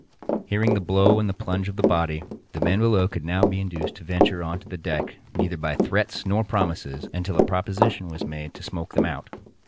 Hearing the blow and the plunge of the body, the men below could now be induced to venture on deck neither by threats nor promises, until a proposition was made to smoke them out.